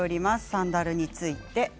サンダルについて。